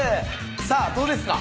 さあどうですか？